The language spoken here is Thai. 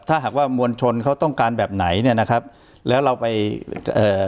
ถ้าหากว่ามวลชนเขาต้องการแบบไหนเนี่ยนะครับแล้วเราไปเอ่อ